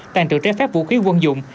tàng trữ trái phép vũ khí quân dụng